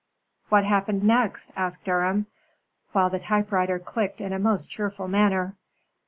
"What happened next?" asked Durham, while the typewriter clicked in a most cheerful manner.